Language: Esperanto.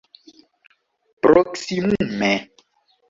proksimume